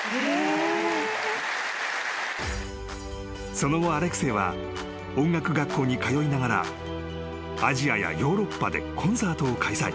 ［その後アレクセイは音楽学校に通いながらアジアやヨーロッパでコンサートを開催］